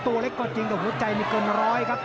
ตัวเล็กก็จริงแต่หัวใจนี่เกินร้อยครับ